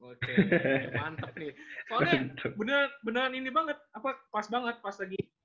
soalnya beneran ini banget apa pas banget pas lagi